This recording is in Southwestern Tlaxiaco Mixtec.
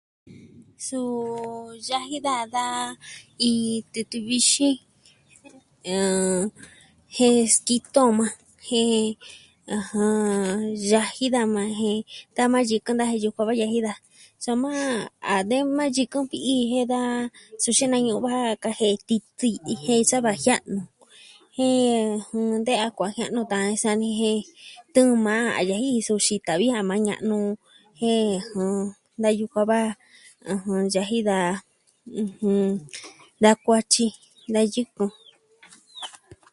Suu yaji daa da iin titɨ vixin, eh... jen skito maa, jen... jɨn... soma yaji daa ta maa yɨkɨn da jen yukuan va yaji daa. Soma a de maa yɨkɨn vi'i jen daa. Suu xeen maa jen na ñuu va kajie'e titi i jen sava jia'nu. Jen de a kuajia'nu va nsaa mii jen tɨɨn ma a lei su xita vi a maa ña'nu, jen jɨn... da yukuan va ɨjɨn... yaji da, ɨjɨn, da kuatyi, da yɨkɨn.